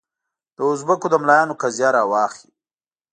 د اوزبکو د ملایانو قضیه راواخلې.